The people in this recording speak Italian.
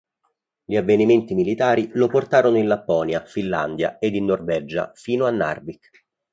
Gli avvenimenti militari lo portarono in Lapponia, Finlandia ed in Norvegia, fino a Narvik.